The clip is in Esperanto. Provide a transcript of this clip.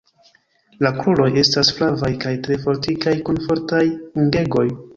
La kruroj estas flavaj kaj tre fortikaj kun fortaj ungegoj.